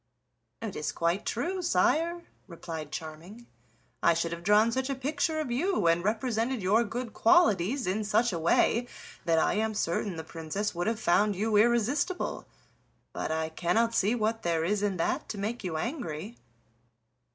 "It is quite true, sire," replied Charming; "I should have drawn such a picture of you, and represented your good qualities in such a way, that I am certain the Princess would have found you irresistible. But I cannot see what there is in that to make you angry."